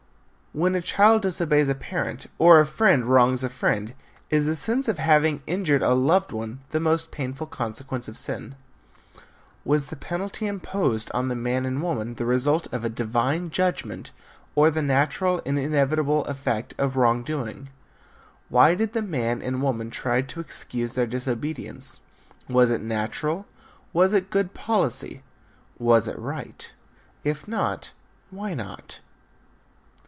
When a child disobeys a parent or a friend wrongs a friend is the sense of having injured a loved one the most painful consequence of sin? Was the penalty imposed on the man and woman the result of a divine judgment or the natural and inevitable effect of wrong doing? Why did the man and woman try to excuse their disobedience? Was it natural? Was it good policy? Was it right? If not, why not?